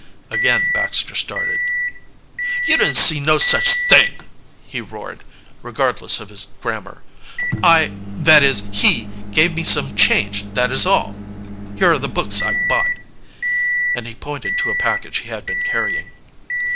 Again Baxter started. "You didn't see no such thing!" he roared, regardless of his grammar. "I that is he gave me some change, that is all. Here are the books I bought," and he pointed to a package he had been carrying.